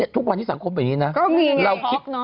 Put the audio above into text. ทุกวันที่สังคมแบบนี้นะ